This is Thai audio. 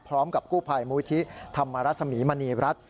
พร้อมกับกู้ภัยมูลที่ธรรมรสมีมณีรัฐ